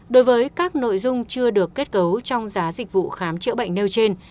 đối với các nội dung chưa được kết cấu trong giá dịch vụ khám chữa bệnh nêu trên